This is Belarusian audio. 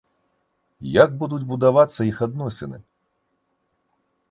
Як будуць будавацца іх адносіны?